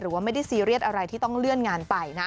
ว่าไม่ได้ซีเรียสอะไรที่ต้องเลื่อนงานไปนะ